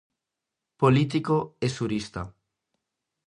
Político e xurista.